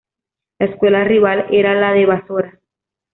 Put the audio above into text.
La escuela rival era la de Basora.